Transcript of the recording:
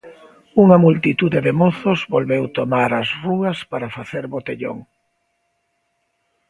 Unha multitude de mozos volveu tomar as rúas para facer botellón.